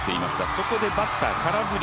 そこでバッター空振り